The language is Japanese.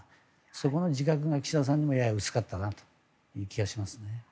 そこの自覚が岸田さんにもやや薄かった気がします。